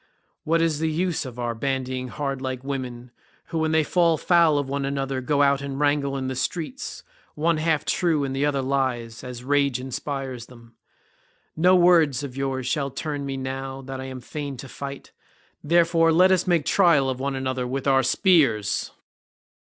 What is the use of our bandying hard like women who when they fall foul of one another go out and wrangle in the streets, one half true and the other lies, as rage inspires them? No words of yours shall turn me now that I am fain to fight—therefore let us make trial of one another with our spears."